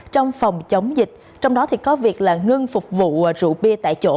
trong phòng chống dịch trong đó có việc ngưng phục vụ rượu bia tại chỗ